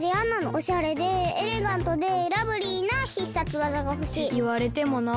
おしゃれでエレガントでラブリーな必殺技がほしい。っていわれてもな。